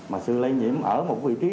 mà sự lây nhiễm ở một vị trí